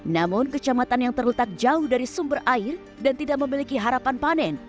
namun kecamatan yang terletak jauh dari sumber air dan tidak memiliki harapan panen